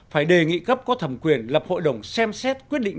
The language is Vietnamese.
phải đề nghị cấp có thẩm quyền lập hội đồng xem xét quyết định